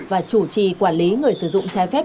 và chủ trì quản lý người sử dụng trái phép